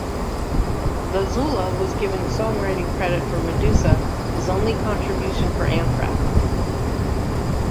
Zazula was given songwriting credit for "Medusa", his only contribution for Anthrax.